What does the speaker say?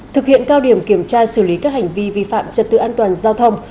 thực hiện cao điểm kiểm tra xử lý các hành vi vi phạm trật tự an toàn giao thông